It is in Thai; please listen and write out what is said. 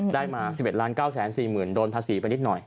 ได้มา๑๑๙๔๐๐๐โดนภาษีไปนิดหน่อย